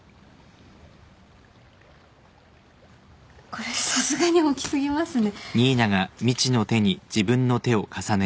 これさすがに大きすぎますね。